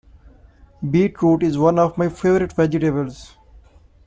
Beetroot is one of my favourite vegetables